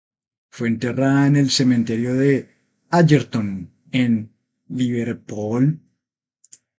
Fue enterrada en el Cementerio de Allerton, en Liverpool.